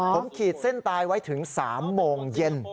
ผมขีดเส้นตายไว้ถึง๓โมงเย็น